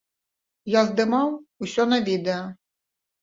Я здымаў усё на відэа.